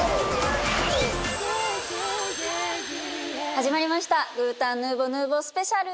始まりました「グータンヌーボ２スペシャル」！